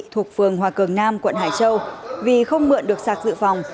thuộc phường hòa cường nam quận hải châu vì không mượn được sạc dự phòng